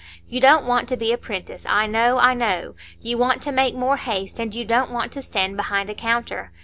You don't want to be a 'prentice,—I know, I know,—you want to make more haste, and you don't want to stand behind a counter.